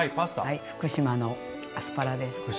福島のアスパラです。